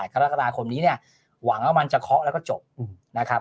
กรกฎาคมนี้เนี่ยหวังว่ามันจะเคาะแล้วก็จบนะครับ